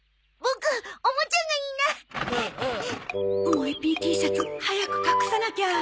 もえ ＰＴ シャツ早く隠さなきゃ